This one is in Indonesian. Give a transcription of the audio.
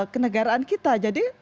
kenegaraan kita jadi